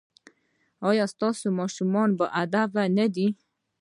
ایا ستاسو ماشومان باادبه نه دي؟